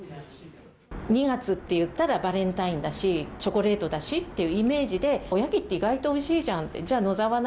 ２月といったらバレンタインだしチョコレートだしというイメージでおやきって意外とおいしいじゃん。